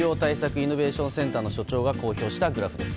イノベーションセンターの所長が公表したグラフです。